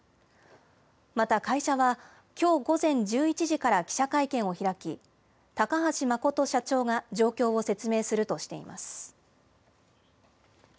また会社は、きょう午前１１時から記者会見を開き、高橋誠社長が状況を説明するとしています。